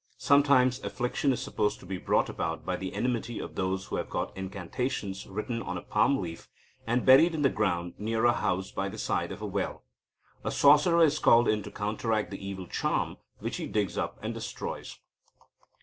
Sometimes affliction is supposed to be brought about by the enmity of those who have got incantations written on a palm leaf, and buried in the ground near a house by the side of a well. A sorcerer is called in to counteract the evil charm, which he digs up and destroys."